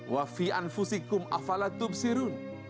wafian fusikum afalatub sirun